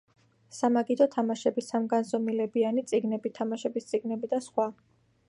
სამაგიდო თამაშები, სამგანზომილებიანი წიგნები, თამაშების წიგნები და სხვა.